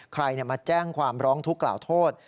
ใครมาแจ้งความร้องทุกข์กล่าวโทษ